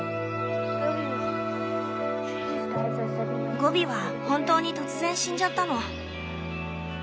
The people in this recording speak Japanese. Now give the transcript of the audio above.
ゴビは本当に突然死んじゃったの。